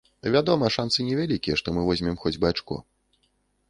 Вядома, шанцы невялікія, што мы возьмем хоць бы ачко.